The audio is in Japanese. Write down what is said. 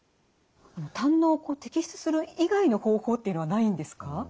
胆のうを摘出する以外の方法っていうのはないんですか？